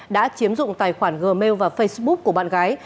đã chiếm dụng tài khoản gmail và facebook của bạn gái